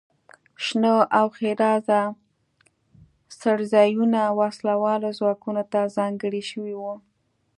شنه او ښېرازه څړځایونه وسله والو ځواکونو ته ځانګړي شوي وو.